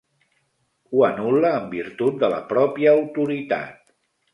Ho anul·la en virtut de la pròpia autoritat.